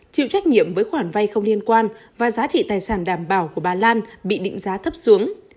chịu trách nhiệm với khoản vay không liên quan và giá trị tài sản đảm bảo của bà lan bị định giá thấp xuống